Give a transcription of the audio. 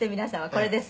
これです。